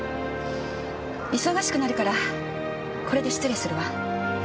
忙しくなるからこれで失礼するわ。